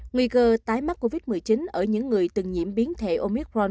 nguy cơ tái mắc covid một mươi chín ở những người từng nhiễm biến thể omicron